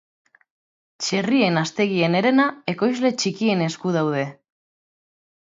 Txerrien haztegien herena ekoizle txikien esku daude.